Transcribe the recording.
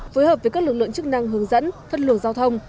phối hợp với các lực lượng chức năng hướng dẫn phân luồng giao thông